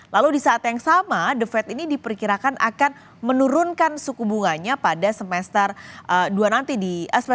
lalu di saat yang sama the fed ini diperkirakan akan menurunkan suku bunganya pada semester satu di dua ribu dua puluh empat